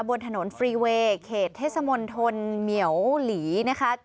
บนถนนฟรีเวย์เขตเทศมนตรเหมียวหลีนะคะ